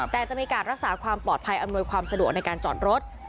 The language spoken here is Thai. แต่จะมีการรักษาความปลอดภัยอำนวยความสะดวกในการจอดรถ